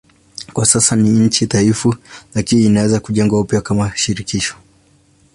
Kwa sasa ni nchi dhaifu lakini inaanza kujengwa upya kama shirikisho.